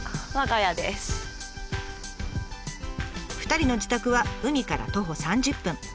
２人の自宅は海から徒歩３０分。